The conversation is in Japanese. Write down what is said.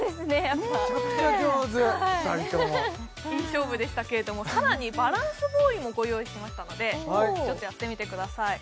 やっぱめちゃくちゃ上手２人ともいい勝負でしたけれどもさらにバランスボールもご用意しましたのでちょっとやってみてください